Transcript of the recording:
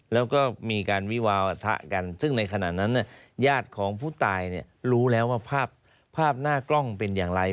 แล้วก็มีการวิวาทะกันซึ่งในขณะนั้นญาติของผู้ตายรู้แล้วว่าภาพหน้ากล้องเป็นอย่างไร